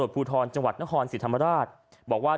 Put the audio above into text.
คุณผู้ชมไปฟังเสียงพร้อมกัน